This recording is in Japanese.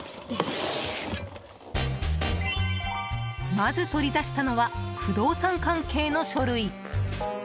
まず、取り出したのは不動産関係の書類。